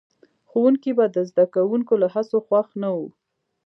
ښوونکي به د زده کوونکو له هڅو خوښ نه وو.